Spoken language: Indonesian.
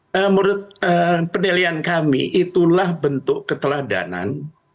menurut penilaian kami itulah bentuk keteladanan